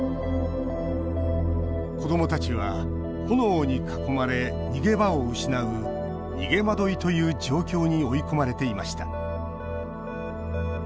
子どもたちは炎に囲まれ逃げ場を失う「逃げ惑い」という状況に追い込まれていました